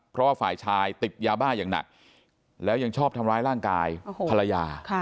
เพราะว่าฝ่ายชายติดยาบ้าอย่างหนักแล้วยังชอบทำร้ายร่างกายภรรยา